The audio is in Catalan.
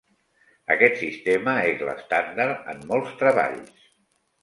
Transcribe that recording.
Aquest sistema és l'estàndard en molts treballs.